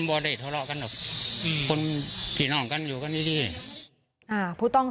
ไม่รู้จริงว่าเกิดอะไรขึ้น